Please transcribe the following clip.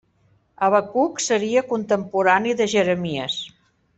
Habacuc seria contemporani de Jeremies.